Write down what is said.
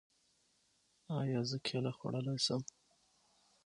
ایا زه کیله خوړلی شم؟